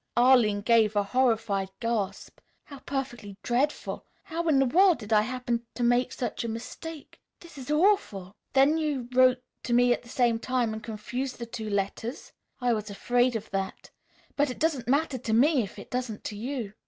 Arline gave a horrified gasp. "How perfectly dreadful! How in the world did I happen to make such a mistake! This is awful!" "Then you wrote to me at the same time and confused the two letters? I was afraid of that. But it doesn't matter to me if it doesn't to you."